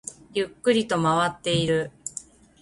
ゆっくりと回っている